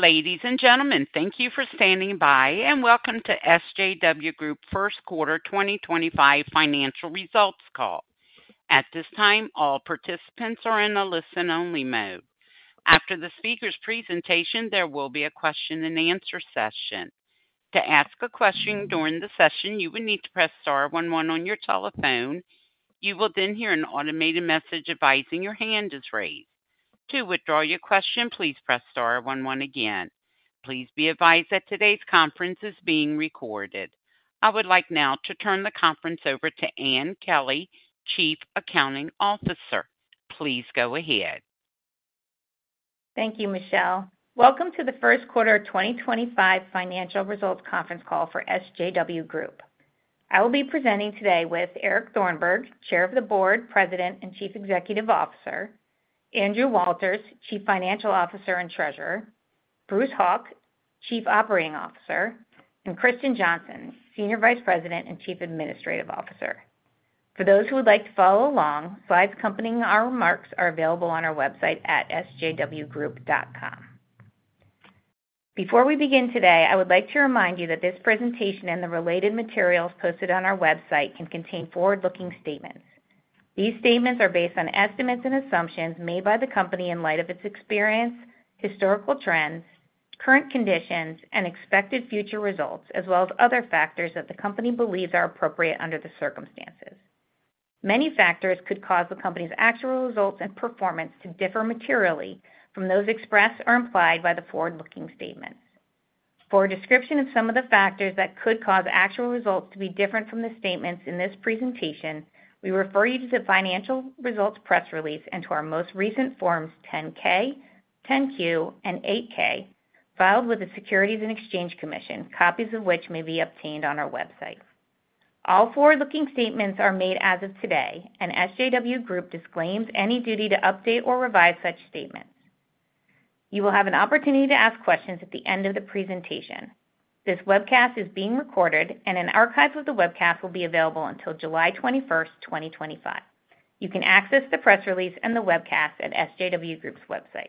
Ladies and gentlemen, thank you for standing by, and welcome to SJW Group First Quarter 2025 Financial Results Call. At this time, all participants are in a listen-only mode. After the speaker's presentation, there will be a question-and-answer session. To ask a question during the session, you will need to press star 11 on your telephone. You will then hear an automated message advising your hand is raised. To withdraw your question, please press star 11 again. Please be advised that today's conference is being recorded. I would like now to turn the conference over to Ann Kelly, Chief Accounting Officer. Please go ahead. Thank you, Michelle. Welcome to the First Quarter 2025 Financial Results Conference Call for SJW Group. I will be presenting today with Eric Thornburg, Chair of the Board, President and Chief Executive Officer; Andrew Walters, Chief Financial Officer and Treasurer; Bruce Hauk, Chief Operating Officer; and Kristen Johnson, Senior Vice President and Chief Administrative Officer. For those who would like to follow along, slides accompanying our remarks are available on our website at sjwgroup.com. Before we begin today, I would like to remind you that this presentation and the related materials posted on our website can contain forward-looking statements. These statements are based on estimates and assumptions made by the company in light of its experience, historical trends, current conditions, and expected future results, as well as other factors that the company believes are appropriate under the circumstances. Many factors could cause the company's actual results and performance to differ materially from those expressed or implied by the forward-looking statements. For a description of some of the factors that could cause actual results to be different from the statements in this presentation, we refer you to the financial results press release and to our most recent forms 10-K, 10-Q, and 8-K, filed with the Securities and Exchange Commission, copies of which may be obtained on our website. All forward-looking statements are made as of today, and SJW Group disclaims any duty to update or revise such statements. You will have an opportunity to ask questions at the end of the presentation. This webcast is being recorded, and an archive of the webcast will be available until July 21st, 2025. You can access the press release and the webcast at SJW Group's website.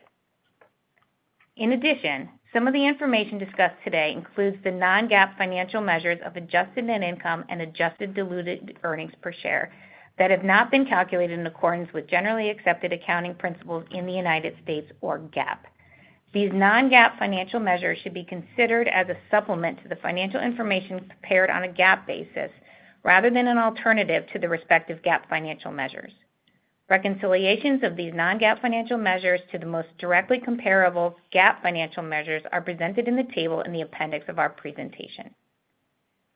In addition, some of the information discussed today includes the non-GAAP financial measures of adjusted net income and adjusted diluted earnings per share that have not been calculated in accordance with generally accepted accounting principles in the United States or GAAP. These non-GAAP financial measures should be considered as a supplement to the financial information prepared on a GAAP basis rather than an alternative to the respective GAAP financial measures. Reconciliations of these non-GAAP financial measures to the most directly comparable GAAP financial measures are presented in the table in the appendix of our presentation.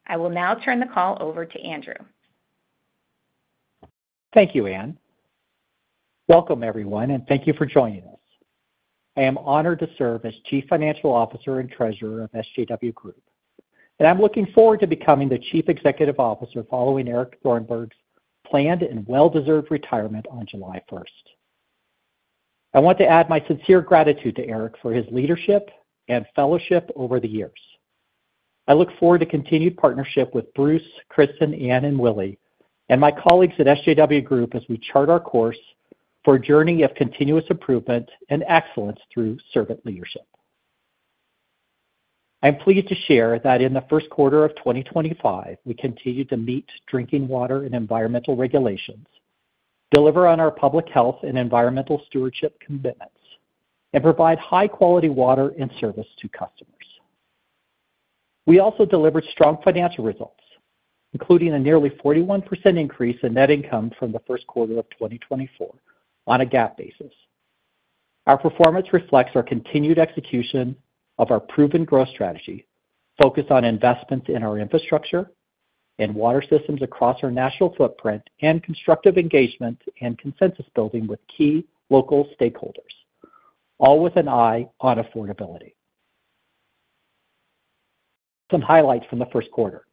I will now turn the call over to Andrew. Thank you, Ann. Welcome, everyone, and thank you for joining us. I am honored to serve as Chief Financial Officer and Treasurer of SJW Group, and I'm looking forward to becoming the Chief Executive Officer following Eric Thornburg's planned and well-deserved retirement on July 1st. I want to add my sincere gratitude to Eric for his leadership and fellowship over the years. I look forward to continued partnership with Bruce, Kristen, Ann, and Willie, and my colleagues at SJW Group as we chart our course for a journey of continuous improvement and excellence through servant leadership. I'm pleased to share that in the first quarter of 2025, we continue to meet drinking water and environmental regulations, deliver on our public health and environmental stewardship commitments, and provide high-quality water and service to customers. We also delivered strong financial results, including a nearly 41% increase in net income from the first quarter of 2024 on a GAAP basis. Our performance reflects our continued execution of our proven growth strategy focused on investments in our infrastructure and water systems across our national footprint and constructive engagement and consensus building with key local stakeholders, all with an eye on affordability. Some highlights from the first quarter: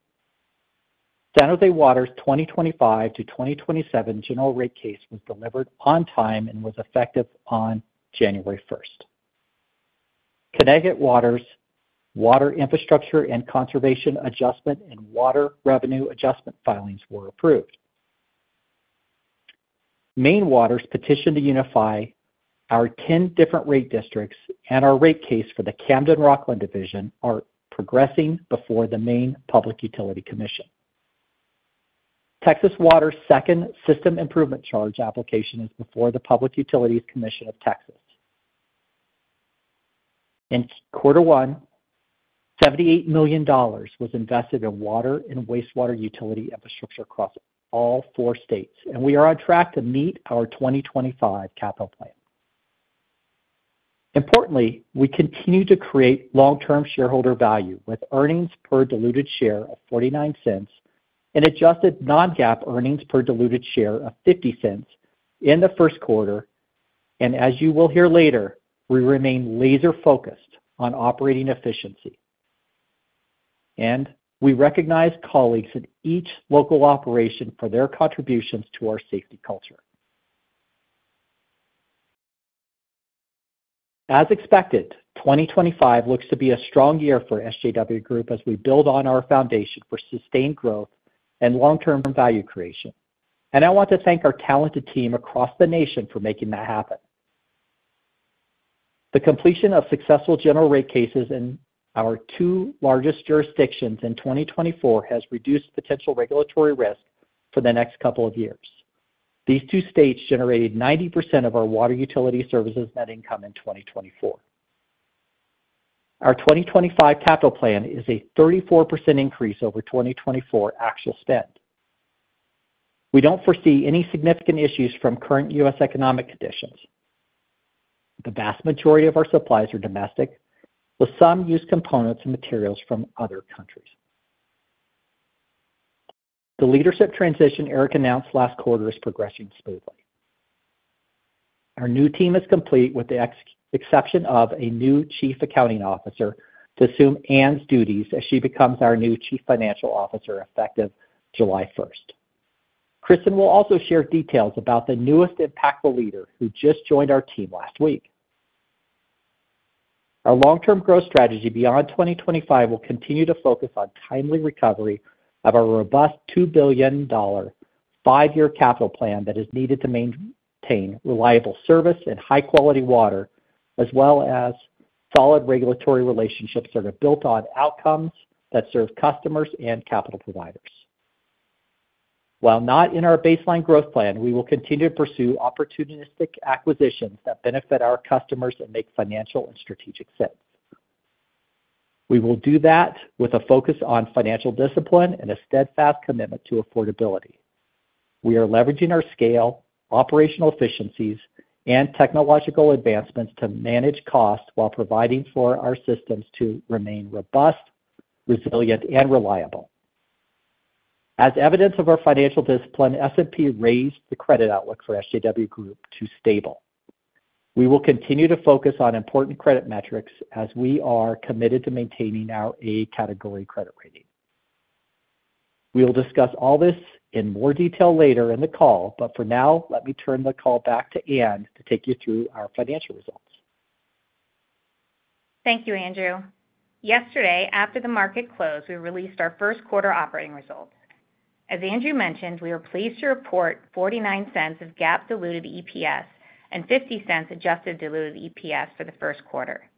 San Jose Water's 2025-2027 General Rate Case was delivered on time and was effective on January 1st. Connecticut Water's Water Infrastructure and Conservation Adjustment and Water Revenue Adjustment filings were approved. Maine Water's petition to unify our 10 different rate districts and our rate case for the Camden-Rockland Division are progressing before the Maine Public Utilities Commission. Texas Water's second System Improvement Charge application is before the Public Utilities Commission of Texas. In quarter one, $78 million was invested in water and wastewater utility infrastructure across all four states, and we are on track to meet our 2025 capital plan. Importantly, we continue to create long-term shareholder value with earnings per diluted share of $0.49 and adjusted non-GAAP earnings per diluted share of $0.50 in the first quarter. You will hear later, we remain laser-focused on operating efficiency. We recognize colleagues at each local operation for their contributions to our safety culture. As expected, 2025 looks to be a strong year for SJW Group as we build on our foundation for sustained growth and long-term value creation. I want to thank our talented team across the nation for making that happen. The completion of successful General Rate Cases in our two largest jurisdictions in 2024 has reduced potential regulatory risk for the next couple of years. These two states generated 90% of our water utility services net income in 2024. Our 2025 capital plan is a 34% increase over 2024 actual spend. We do not foresee any significant issues from current U.S. economic conditions. The vast majority of our supplies are domestic, with some used components and materials from other countries. The leadership transition Eric announced last quarter is progressing smoothly. Our new team is complete with the exception of a new Chief Accounting Officer to assume Ann's duties as she becomes our new Chief Financial Officer effective July 1. Kristen will also share details about the newest impactful leader who just joined our team last week. Our long-term growth strategy beyond 2025 will continue to focus on timely recovery of our robust $2 billion five-year capital plan that is needed to maintain reliable service and high-quality water, as well as solid regulatory relationships that are built on outcomes that serve customers and capital providers. While not in our baseline growth plan, we will continue to pursue opportunistic acquisitions that benefit our customers and make financial and strategic sense. We will do that with a focus on financial discipline and a steadfast commitment to affordability. We are leveraging our scale, operational efficiencies, and technological advancements to manage costs while providing for our systems to remain robust, resilient, and reliable. As evidence of our financial discipline, S&P raised the credit outlook for SJW Group to stable. We will continue to focus on important credit metrics as we are committed to maintaining our A category credit rating. We will discuss all this in more detail later in the call, but for now, let me turn the call back to Ann to take you through our financial results. Thank you, Andrew. Yesterday, after the market closed, we released our first quarter operating results. As Andrew mentioned, we are pleased to report $0.49 of GAAP-diluted EPS and $0.50 adjusted diluted EPS for the first quarter.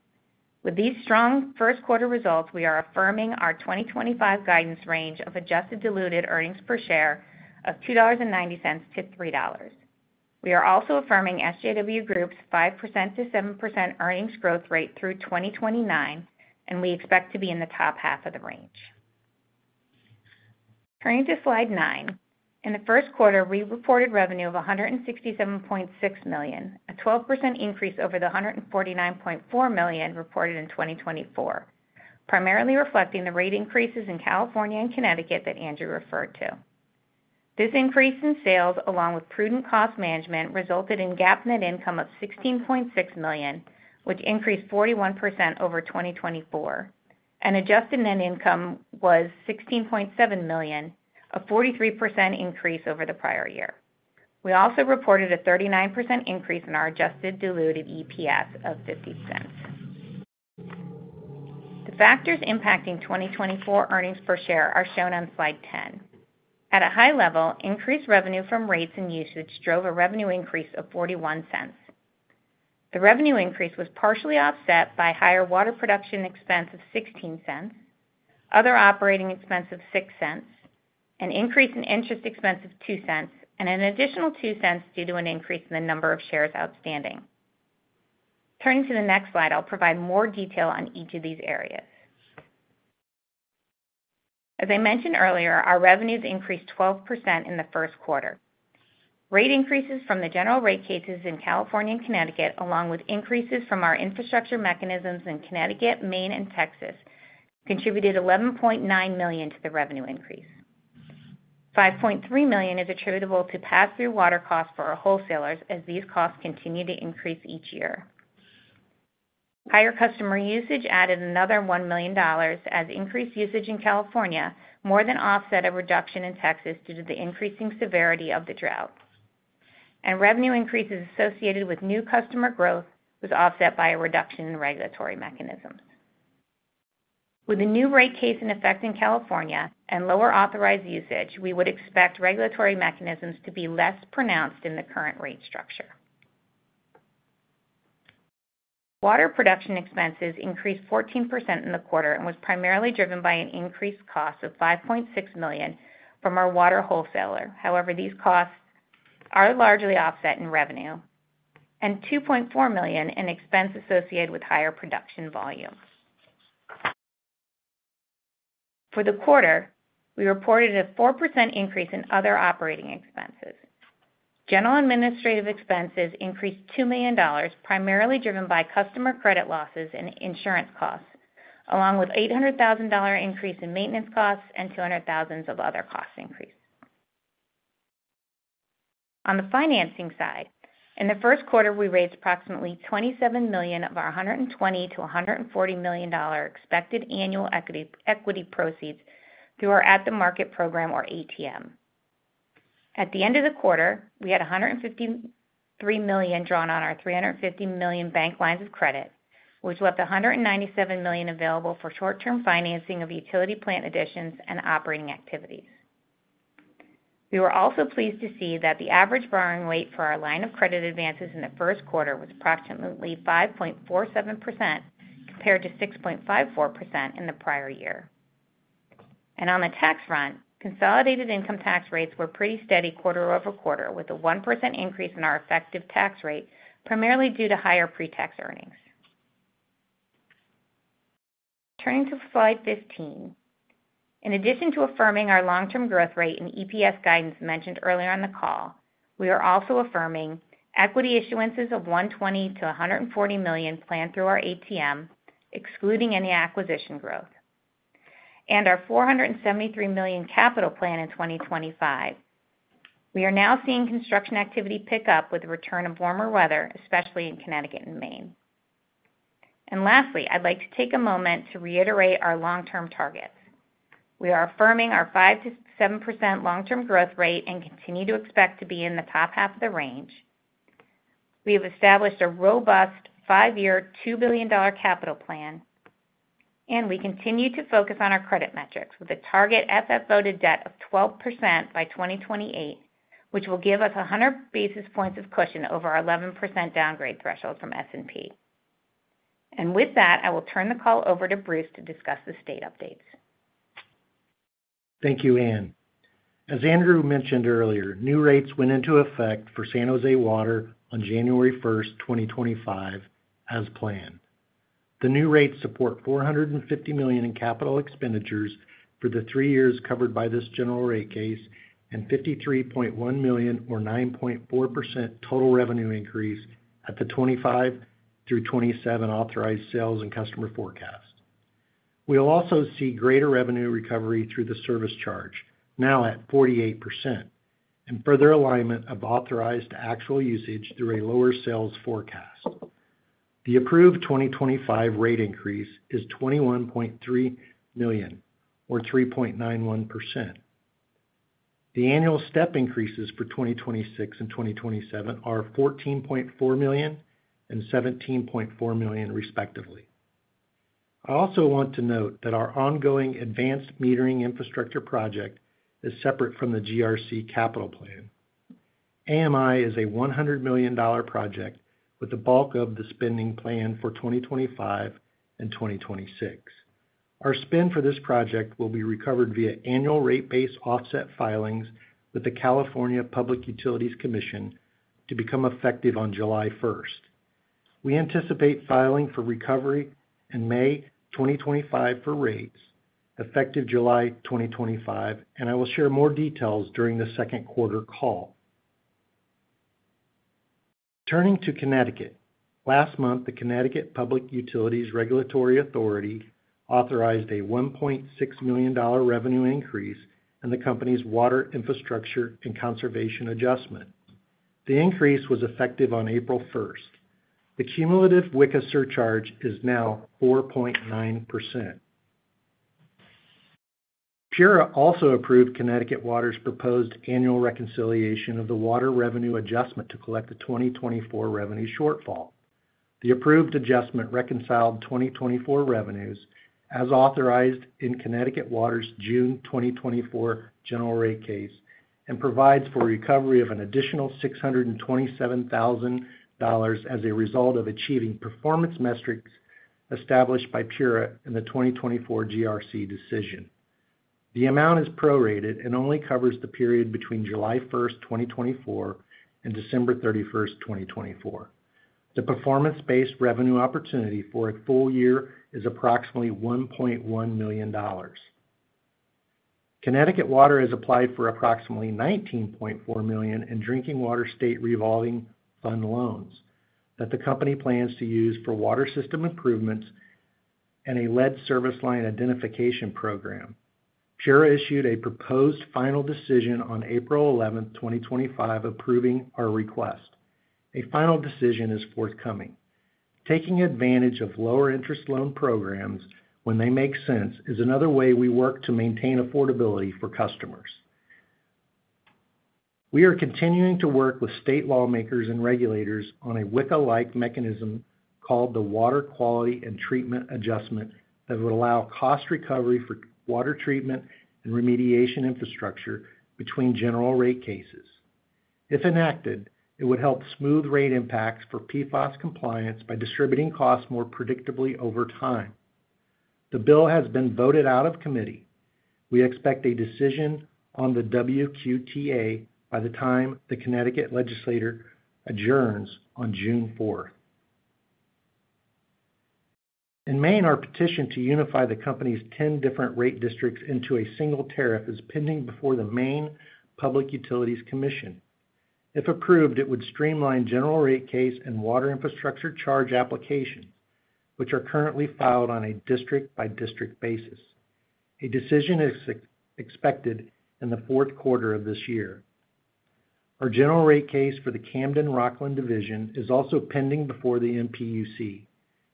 With these strong first quarter results, we are affirming our 2025 guidance range of adjusted diluted earnings per share of $2.90-$3. We are also affirming SJW Group's 5%-7% earnings growth rate through 2029, and we expect to be in the top half of the range. Turning to slide nine, in the first quarter, we reported revenue of $167.6 million, a 12% increase over the $149.4 million reported in 2024, primarily reflecting the rate increases in California and Connecticut that Andrew referred to. This increase in sales, along with prudent cost management, resulted in GAAP net income of $16.6 million, which increased 41% over 2024. Adjusted net income was $16.7 million, a 43% increase over the prior year. We also reported a 39% increase in our adjusted diluted EPS of $0.50. The factors impacting 2024 earnings per share are shown on slide 10. At a high level, increased revenue from rates and usage drove a revenue increase of $0.41. The revenue increase was partially offset by higher water production expense of $0.16, other operating expense of $0.06, an increase in interest expense of $0.02, and an additional $0.02 due to an increase in the number of shares outstanding. Turning to the next slide, I'll provide more detail on each of these areas. As I mentioned earlier, our revenues increased 12% in the first quarter. Rate increases from the General Rate Cases in California and Connecticut, along with increases from our infrastructure mechanisms in Connecticut, Maine, and Texas, contributed $11.9 million to the revenue increase. $5.3 million is attributable to pass-through water costs for our wholesalers, as these costs continue to increase each year. Higher customer usage added another $1 million as increased usage in California more than offset a reduction in Texas due to the increasing severity of the drought. Revenue increases associated with new customer growth was offset by a reduction in regulatory mechanisms. With a new rate case in effect in California and lower authorized usage, we would expect regulatory mechanisms to be less pronounced in the current rate structure. Water production expenses increased 14% in the quarter and was primarily driven by an increased cost of $5.6 million from our water wholesaler. However, these costs are largely offset in revenue, and $2.4 million in expense associated with higher production volume. For the quarter, we reported a 4% increase in other operating expenses. General administrative expenses increased $2 million, primarily driven by customer credit losses and insurance costs, along with an $800,000 increase in maintenance costs and $200,000 of other cost increase. On the financing side, in the first quarter, we raised approximately $27 million of our $120-$140 million expected annual equity proceeds through our At the Market program, or ATM. At the end of the quarter, we had $153 million drawn on our $350 million bank lines of credit, which left $197 million available for short-term financing of utility plant additions and operating activities. We were also pleased to see that the average borrowing rate for our line of credit advances in the first quarter was approximately 5.47% compared to 6.54% in the prior year. On the tax front, consolidated income tax rates were pretty steady quarter over quarter, with a 1% increase in our effective tax rate, primarily due to higher pre-tax earnings. Turning to slide 15, in addition to affirming our long-term growth rate and EPS guidance mentioned earlier on the call, we are also affirming equity issuances of $120-$140 million planned through our ATM, excluding any acquisition growth. Our $473 million capital plan in 2025 is now seeing construction activity pick up with the return of warmer weather, especially in Connecticut and Maine. Lastly, I'd like to take a moment to reiterate our long-term targets. We are affirming our 5%-7% long-term growth rate and continue to expect to be in the top half of the range. We have established a robust five-year $2 billion capital plan, and we continue to focus on our credit metrics with a target FFO-to-debt of 12% by 2028, which will give us 100 basis points of cushion over our 11% downgrade threshold from S&P. With that, I will turn the call over to Bruce to discuss the state updates. Thank you, Ann. As Andrew mentioned earlier, new rates went into effect for San Jose Water on January 1, 2025, as planned. The new rates support $450 million in capital expenditures for the three years covered by this General Rate Case and $53.1 million, or 9.4% total revenue increase at the 2025-2027 authorized sales and customer forecast. We will also see greater revenue recovery through the service charge now at 48% and further alignment of authorized actual usage through a lower sales forecast. The approved 2025 rate increase is $21.3 million, or 3.91%. The annual step increases for 2026 and 2027 are $14.4 million and $17.4 million, respectively. I also want to note that our ongoing advanced metering infrastructure project is separate from the GRC capital plan. AMI is a $100 million project with the bulk of the spending planned for 2025 and 2026. Our spend for this project will be recovered via annual rate-based offset filings with the California Public Utilities Commission to become effective on July 1. We anticipate filing for recovery in May 2025 for rates effective July 2025, and I will share more details during the second quarter call. Turning to Connecticut, last month, the Connecticut Public Utilities Regulatory Authority authorized a $1.6 million revenue increase in the company's water infrastructure and conservation adjustment. The increase was effective on April 1. The cumulative WICA surcharge is now 4.9%. PURA also approved Connecticut Water's proposed annual reconciliation of the Water Revenue Adjustment to collect the 2024 revenue shortfall. The approved adjustment reconciled 2024 revenues as authorized in Connecticut Water's June 2024 General Rate Case and provides for recovery of an additional $627,000 as a result of achieving performance metrics established by PURA in the 2024 GRC decision. The amount is prorated and only covers the period between July 1, 2024, and December 31, 2024. The performance-based revenue opportunity for a full year is approximately $1.1 million. Connecticut Water has applied for approximately $19.4 million in Drinking Water State Revolving Fund loans that the company plans to use for water system improvements and a lead service line identification program. PURA issued a proposed final decision on April 11, 2025, approving our request. A final decision is forthcoming. Taking advantage of lower interest loan programs when they make sense is another way we work to maintain affordability for customers. We are continuing to work with state lawmakers and regulators on a WICA-like mechanism called the Water Quality and Treatment Adjustment that would allow cost recovery for water treatment and remediation infrastructure between General Rate Cases. If enacted, it would help smooth rate impacts for PFAS compliance by distributing costs more predictably over time. The bill has been voted out of committee. We expect a decision on the WQTA by the time the Connecticut legislature adjourns on June 4th. In Maine, our petition to unify the company's 10 different rate districts into a single tariff is pending before the Maine Public Utilities Commission. If approved, it would streamline General Rate Case and water infrastructure charge applications, which are currently filed on a district-by-district basis. A decision is expected in the fourth quarter of this year. Our General Rate Case for the Camden-Rockland division is also pending before the Maine Public Utilities Commission.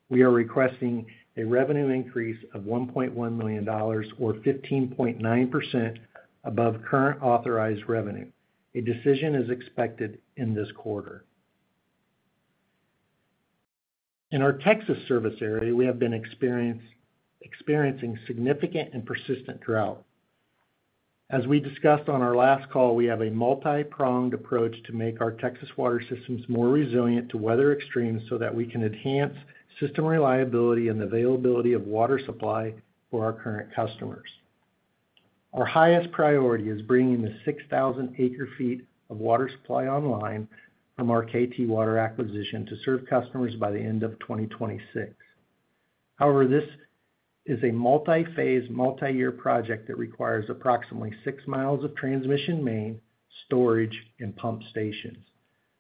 We are requesting a revenue increase of $1.1 million, or 15.9% above current authorized revenue. A decision is expected in this quarter. In our Texas service area, we have been experiencing significant and persistent drought. As we discussed on our last call, we have a multi-pronged approach to make our Texas water systems more resilient to weather extremes so that we can enhance system reliability and the availability of water supply for our current customers. Our highest priority is bringing the 6,000 acre-feet of water supply online from our KT Water acquisition to serve customers by the end of 2026. However, this is a multi-phase, multi-year project that requires approximately 6 mi of transmission main, storage, and pump stations.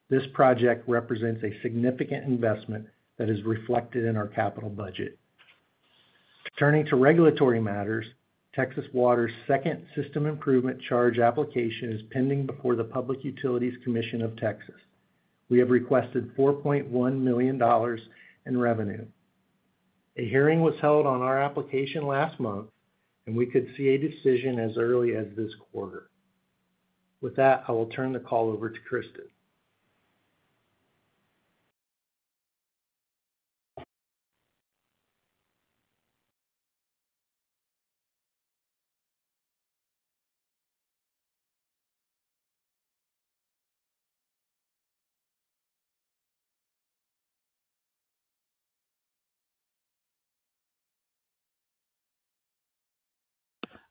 This project represents a significant investment that is reflected in our capital budget. Turning to regulatory matters, Texas Water's second System Improvement Charge application is pending before the Public Utilities Commission of Texas. We have requested $4.1 million in revenue. A hearing was held on our application last month, and we could see a decision as early as this quarter. With that, I will turn the call over to Kristen.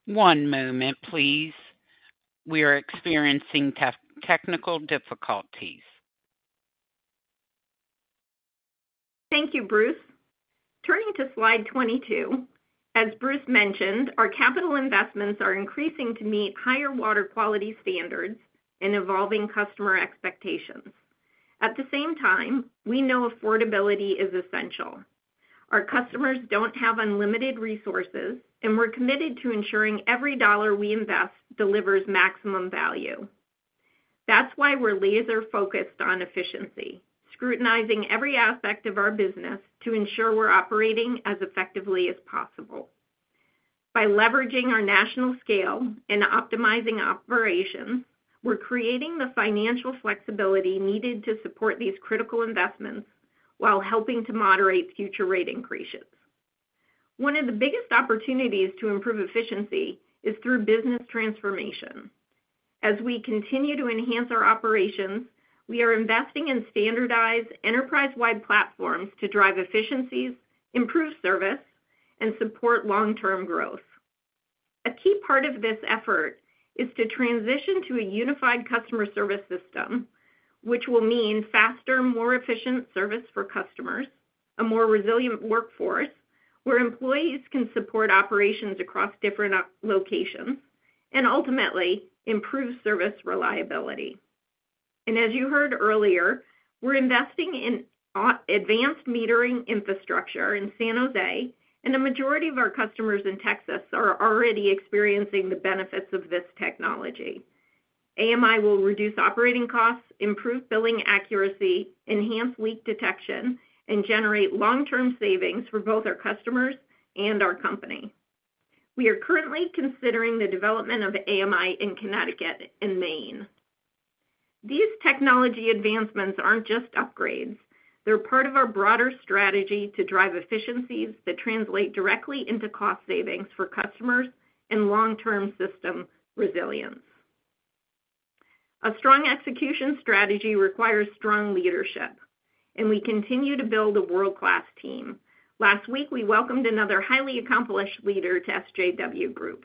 One moment, please. We are experiencing technical difficulties. Thank you, Bruce. Turning to slide 22, as Bruce mentioned, our capital investments are increasing to meet higher water quality standards and evolving customer expectations. At the same time, we know affordability is essential. Our customers don't have unlimited resources, and we're committed to ensuring every dollar we invest delivers maximum value. That's why we're laser-focused on efficiency, scrutinizing every aspect of our business to ensure we're operating as effectively as possible. By leveraging our national scale and optimizing operations, we're creating the financial flexibility needed to support these critical investments while helping to moderate future rate increases. One of the biggest opportunities to improve efficiency is through business transformation. As we continue to enhance our operations, we are investing in standardized enterprise-wide platforms to drive efficiencies, improve service, and support long-term growth. A key part of this effort is to transition to a unified customer service system, which will mean faster, more efficient service for customers, a more resilient workforce where employees can support operations across different locations, and ultimately improve service reliability. As you heard earlier, we're investing in advanced metering infrastructure in San Jose, and the majority of our customers in Texas are already experiencing the benefits of this technology. AMI will reduce operating costs, improve billing accuracy, enhance leak detection, and generate long-term savings for both our customers and our company. We are currently considering the development of AMI in Connecticut and Maine. These technology advancements are not just upgrades. They are part of our broader strategy to drive efficiencies that translate directly into cost savings for customers and long-term system resilience. A strong execution strategy requires strong leadership, and we continue to build a world-class team. Last week, we welcomed another highly accomplished leader to SJW Group.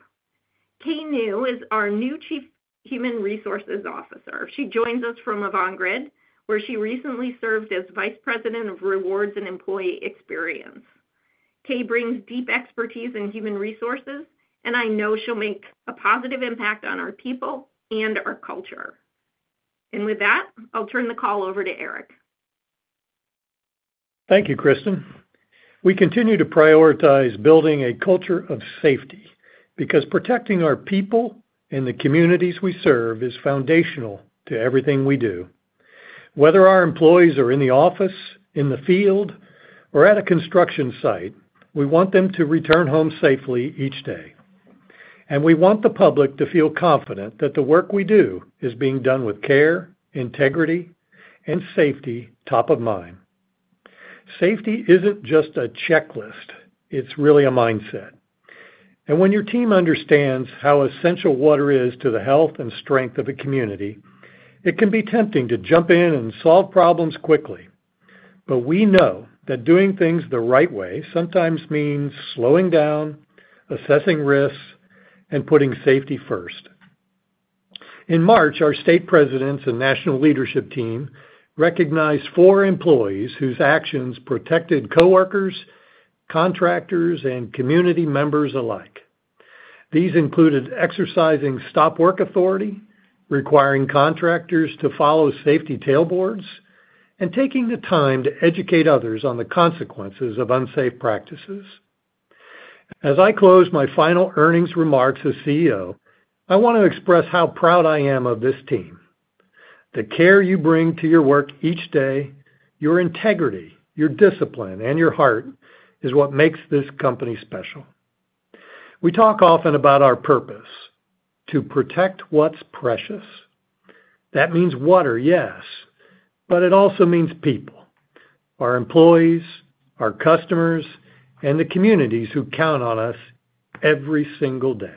Kay New is our new Chief Human Resources Officer. She joins us from Avangrid, where she recently served as Vice President of Rewards and Employee Experience. Kay brings deep expertise in human resources, and I know she'll make a positive impact on our people and our culture. I will turn the call over to Eric. Thank you, Kristen. We continue to prioritize building a culture of safety because protecting our people and the communities we serve is foundational to everything we do. Whether our employees are in the office, in the field, or at a construction site, we want them to return home safely each day. We want the public to feel confident that the work we do is being done with care, integrity, and safety top of mind. Safety isn't just a checklist. It's really a mindset. When your team understands how essential water is to the health and strength of a community, it can be tempting to jump in and solve problems quickly. We know that doing things the right way sometimes means slowing down, assessing risks, and putting safety first. In March, our state presidents and national leadership team recognized four employees whose actions protected coworkers, contractors, and community members alike. These included exercising stop work authority, requiring contractors to follow safety tailboards, and taking the time to educate others on the consequences of unsafe practices. As I close my final earnings remarks as CEO, I want to express how proud I am of this team. The care you bring to your work each day, your integrity, your discipline, and your heart is what makes this company special. We talk often about our purpose: to protect what's precious. That means water, yes, but it also means people: our employees, our customers, and the communities who count on us every single day.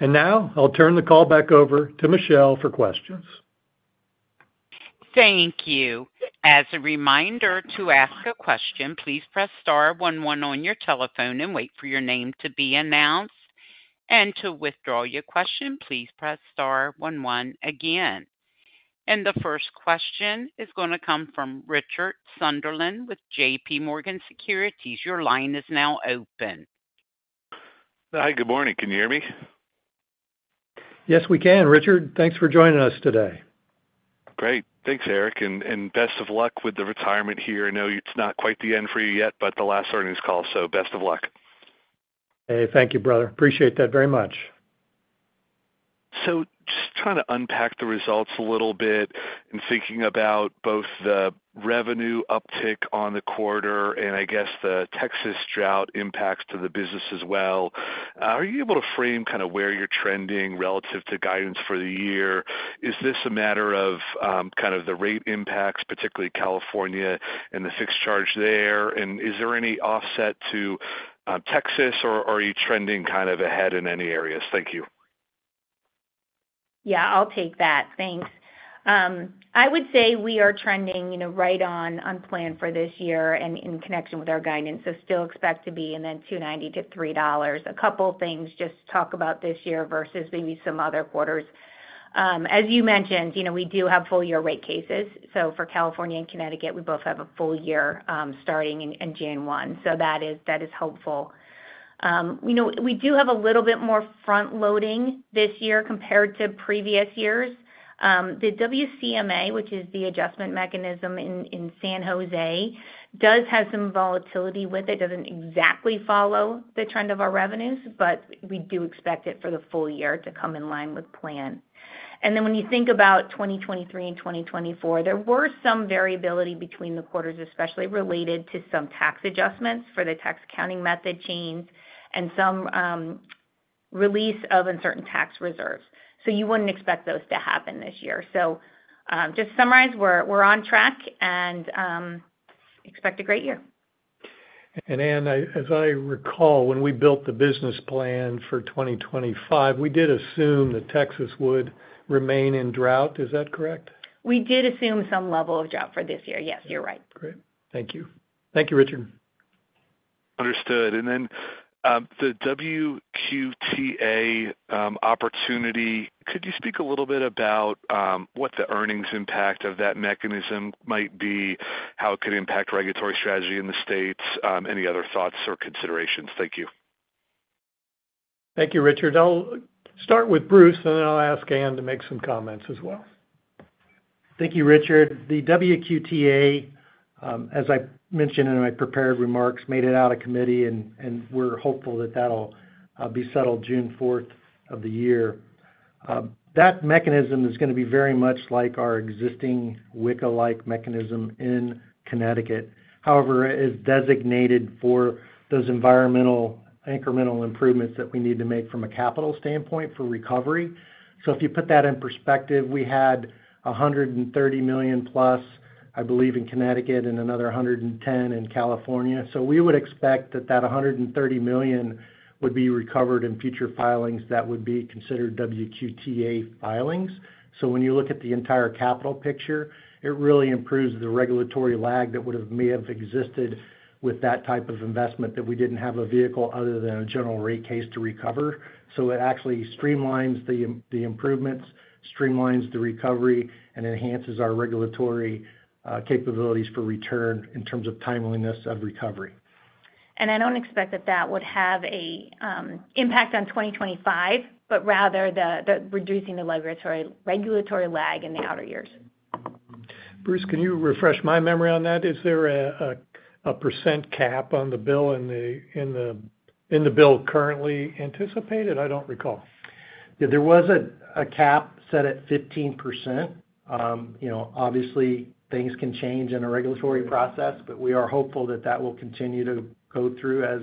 I will now turn the call back over to Michelle for questions. Thank you. As a reminder to ask a question, please press star 11 on your telephone and wait for your name to be announced. To withdraw your question, please press star 11 again. The first question is going to come from Richard Sunderland with JP Morgan Securities. Your line is now open. Hi, good morning. Can you hear me? Yes, we can. Richard, thanks for joining us today. Great. Thanks, Eric. Best of luck with the retirement here. I know it's not quite the end for you yet, but the last earnings call, so best of luck. Hey, thank you, brother. Appreciate that very much. Just trying to unpack the results a little bit and thinking about both the revenue uptick on the quarter and I guess the Texas drought impacts to the business as well. Are you able to frame kind of where you're trending relative to guidance for the year? Is this a matter of kind of the rate impacts, particularly California and the fixed charge there? Is there any offset to Texas, or are you trending kind of ahead in any areas? Thank you. Yeah, I'll take that. Thanks. I would say we are trending right on plan for this year and in connection with our guidance. Still expect to be in that $2.90-$3. A couple of things just to talk about this year versus maybe some other quarters. As you mentioned, we do have full-year rate cases. For California and Connecticut, we both have a full year starting June 1. That is helpful. We do have a little bit more front-loading this year compared to previous years. The WCMA, which is the adjustment mechanism in San Jose, does have some volatility with it. It does not exactly follow the trend of our revenues, but we do expect it for the full year to come in line with plan. When you think about 2023 and 2024, there were some variability between the quarters, especially related to some tax adjustments for the tax accounting method change and some release of uncertain tax reserves. You would not expect those to happen this year. Just to summarize, we're on track and expect a great year. Ann, as I recall, when we built the business plan for 2025, we did assume that Texas would remain in drought. Is that correct? We did assume some level of drought for this year. Yes, you're right. Great. Thank you. Thank you, Richard. Understood. The WQTA opportunity, could you speak a little bit about what the earnings impact of that mechanism might be, how it could impact regulatory strategy in the states, any other thoughts or considerations? Thank you. Thank you, Richard. I'll start with Bruce, and then I'll ask Ann to make some comments as well. Thank you, Richard. The WQTA, as I mentioned in my prepared remarks, made it out of committee, and we're hopeful that that'll be settled June 4th of the year. That mechanism is going to be very much like our existing WICA-like mechanism in Connecticut. However, it is designated for those environmental incremental improvements that we need to make from a capital standpoint for recovery. If you put that in perspective, we had $130 million plus, I believe, in Connecticut and another $110 million in California. We would expect that $130 million would be recovered in future filings that would be considered WQTA filings. When you look at the entire capital picture, it really improves the regulatory lag that may have existed with that type of investment that we didn't have a vehicle other than a General Rate Case to recover. It actually streamlines the improvements, streamlines the recovery, and enhances our regulatory capabilities for return in terms of timeliness of recovery. I don't expect that that would have an impact on 2025, but rather reducing the regulatory lag in the outer years. Bruce, can you refresh my memory on that? Is there a % cap on the bill in the bill currently anticipated? I don't recall. Yeah, there was a cap set at 15%. Obviously, things can change in a regulatory process, but we are hopeful that that will continue to go through as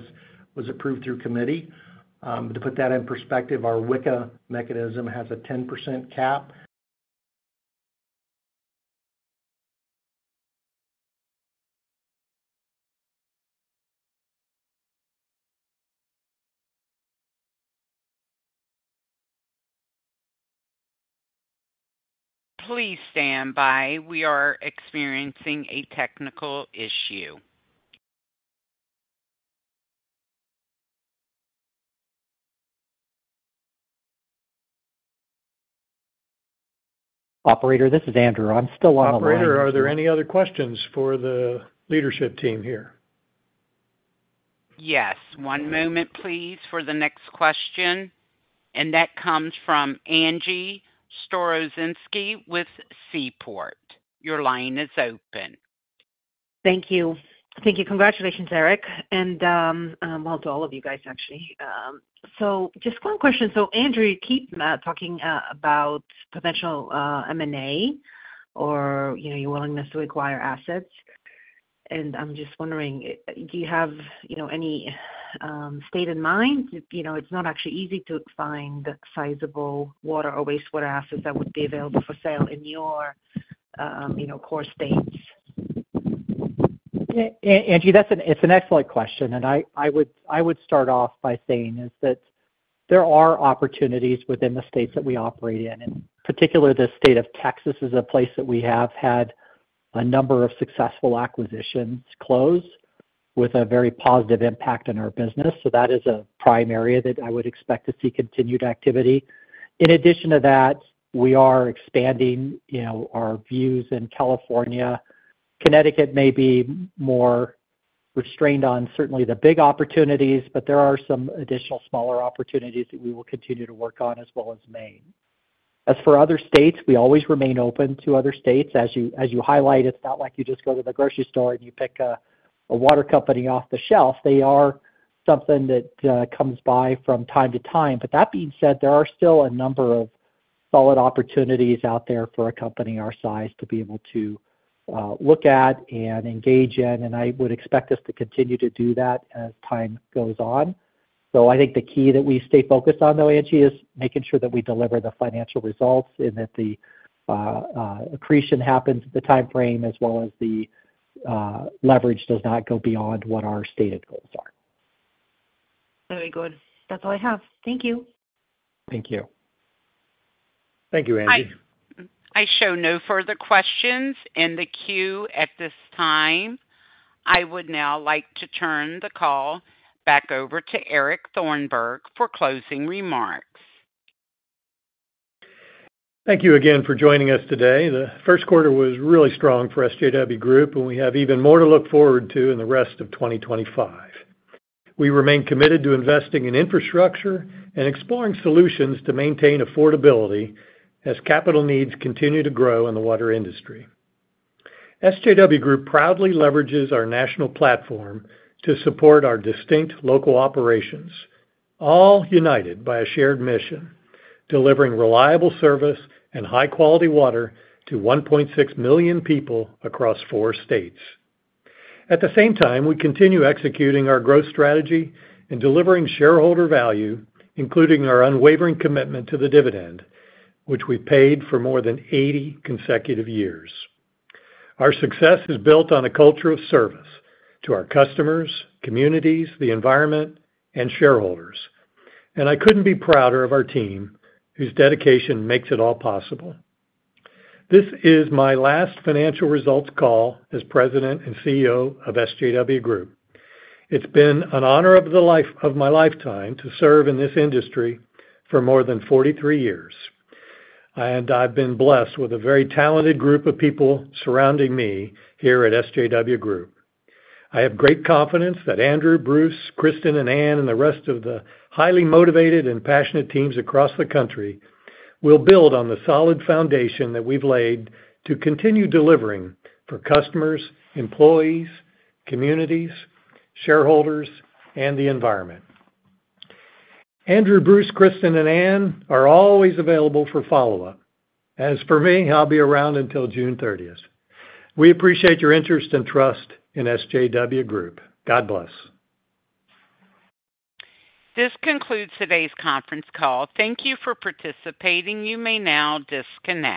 was approved through committee. To put that in perspective, our WICA mechanism has a 10% cap. Please stand by. We are experiencing a technical issue. Operator, this is Andrew. I'm still on the line. Operator, are there any other questions for the leadership team here? Yes. One moment, please, for the next question. That comes from Angie Storozynski with Seaport. Your line is open. Thank you. Thank you. Congratulations, Eric. And congratulations to all of you guys, actually. Just one question. Andrew, you keep talking about potential M&A or your willingness to acquire assets. I'm just wondering, do you have any state in mind? It's not actually easy to find sizable water or wastewater assets that would be available for sale in your core states. Angie, it's an excellent question. I would start off by saying that there are opportunities within the states that we operate in. In particular, the state of Texas is a place that we have had a number of successful acquisitions close with a very positive impact on our business. That is a prime area that I would expect to see continued activity. In addition to that, we are expanding our views in California. Connecticut may be more restrained on certainly the big opportunities, but there are some additional smaller opportunities that we will continue to work on as well as Maine. As for other states, we always remain open to other states. As you highlight, it's not like you just go to the grocery store and you pick a water company off the shelf. They are something that comes by from time to time. That being said, there are still a number of solid opportunities out there for a company our size to be able to look at and engage in. I would expect us to continue to do that as time goes on. I think the key that we stay focused on, though, Angie, is making sure that we deliver the financial results and that the accretion happens at the timeframe as well as the leverage does not go beyond what our stated goals are. Very good. That's all I have. Thank you. Thank you. Thank you, Angie. I show no further questions in the queue at this time. I would now like to turn the call back over to Eric Thornburg for closing remarks. Thank you again for joining us today. The first quarter was really strong for SJW Group, and we have even more to look forward to in the rest of 2025. We remain committed to investing in infrastructure and exploring solutions to maintain affordability as capital needs continue to grow in the water industry. SJW Group proudly leverages our national platform to support our distinct local operations, all united by a shared mission, delivering reliable service and high-quality water to 1.6 million people across four states. At the same time, we continue executing our growth strategy and delivering shareholder value, including our unwavering commitment to the dividend, which we've paid for more than 80 consecutive years. Our success is built on a culture of service to our customers, communities, the environment, and shareholders. I couldn't be prouder of our team whose dedication makes it all possible. This is my last financial results call as president and CEO of SJW Group. It's been an honor of my lifetime to serve in this industry for more than 43 years. I've been blessed with a very talented group of people surrounding me here at SJW Group. I have great confidence that Andrew, Bruce, Kristen, and Ann, and the rest of the highly motivated and passionate teams across the country will build on the solid foundation that we've laid to continue delivering for customers, employees, communities, shareholders, and the environment. Andrew, Bruce, Kristen, and Ann are always available for follow-up. As for me, I'll be around until June 30th. We appreciate your interest and trust in SJW Group. God bless. This concludes today's conference call. Thank you for participating. You may now disconnect.